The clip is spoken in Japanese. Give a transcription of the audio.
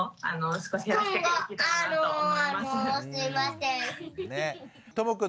すいません。